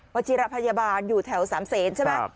จิรพยาบาลอยู่แถวสามเศษใช่ไหม